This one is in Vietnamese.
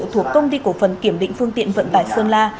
thuộc công ty cổ phần kiểm định phương tiện vận tải sơn la